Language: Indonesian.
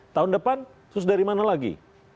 tahun depan terus dari mana lagi